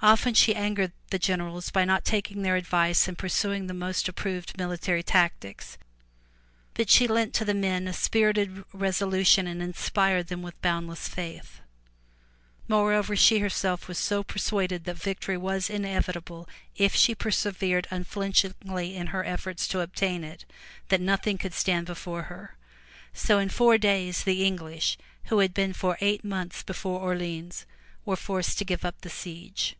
Often she angered the generals by not taking their advice and pursuing the most approved military tactics, but she lent to the men a spirited resolution and inspired them with boundless faith. Moreover she herself was so persuaded that victory was inevitable if she persevered unflinchingly in her efforts to obtain it, that nothing could stand before her. So in four days the English, who had been for eight months before Orleans, were forced to give up the siege.